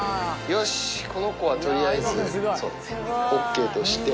よし、この子はとりあえずＯＫとして。